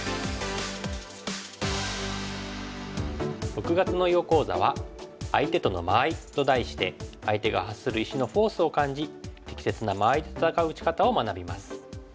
６月の囲碁講座は「相手との間合い」と題して相手が発する石のフォースを感じ適切な間合いと戦う打ち方を学びます。